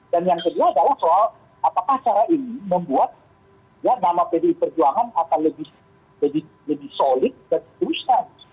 dan yang kedua adalah soal apakah cara ini membuat nama pdi perjuangan akan lebih solid dan terus terjadi